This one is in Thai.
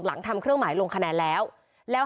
หลังทำเครื่องหมายลงคะแนนแล้วแล้ว